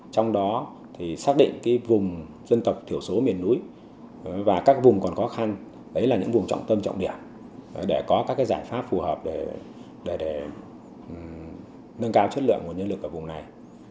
trong đó xác định vùng dân tộc thiểu số miền núi và các vùng còn khó khăn đấy là những vùng trọng tâm trọng điểm để có các giải pháp phù hợp để nâng cao chất lượng nguồn nhân lực ở vùng này